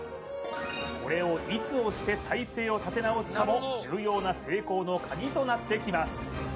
これをいつ押して態勢を立て直すかも重要な成功の鍵となってきます